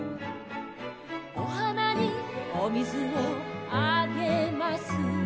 「お花にお水をあげます」